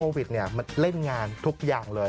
วิทมันเล่นงานทุกอย่างเลย